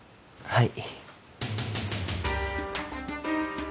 はい。